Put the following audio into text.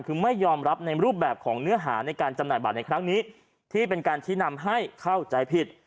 คือไม่ยอมรับในรูปแบบของเนื้อหาในการจำหน่ายบัตรในครั้งนี้ที่เป็นการชี้นำให้เข้าใจผิด